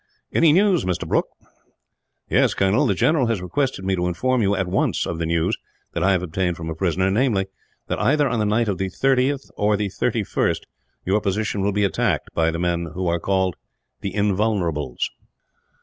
"Any news, Mr. Brooke?" "Yes, Colonel; the general has requested me to inform you, at once, of the news that I have obtained from a prisoner; namely that, either on the night of the 30th or 31st, your position will be attacked, by the men who are called the Invulnerables."